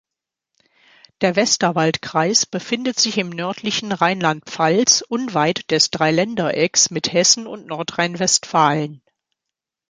Der Westerwaldkreis befindet sich im nördlichen Rheinland-Pfalz, unweit des Dreiländerecks mit Hessen und Nordrhein-Westfalen.